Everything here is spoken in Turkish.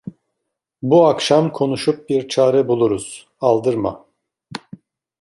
Bu akşam konuşup bir çare buluruz, aldırma!